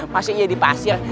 masuknya di pasir